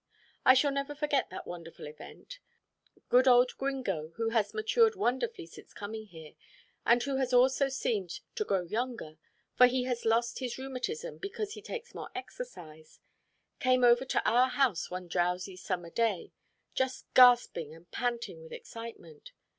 I shall never forget that wonderful event. Good old Gringo, who has matured wonderfully since coming here, and who has also seemed to grow younger, for he has lost his rheumatism because he takes more exercise, came over to our house one drowsy summer day just gasping and panting with excitement.